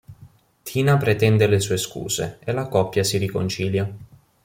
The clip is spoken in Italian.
Tina pretende le sue scuse, e la coppia di riconcilia.